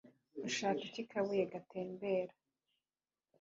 «urashaka iki kabuye gatembera